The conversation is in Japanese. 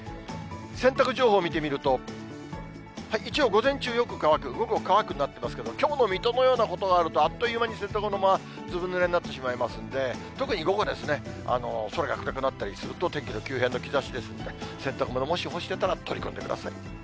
洗濯情報見てみると、一応、午前中、よく乾く、午後、乾くになってますけど、きょうの水戸のようなことがあると、あっという間に洗濯物、ずぶぬれになってしまいますんで、特に午後ですね、そらが暗くなったりすると、天気の急変の兆しですんで、洗濯物、もし干してたら取り込んでください。